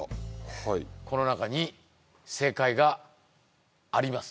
はいこの中に正解があります